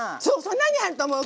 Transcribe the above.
何入ると思う？